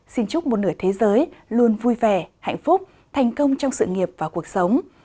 xin chúc một nửa thế giới luôn vui vẻ hạnh phúc thành công trong sự nghiệp và cuộc sống